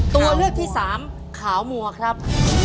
ตัวเลือกที่สามขาวมัวครับ